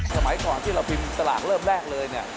สมัยก่อนที่เราพิมพ์สลากเริ่มแรกเลยเนี่ย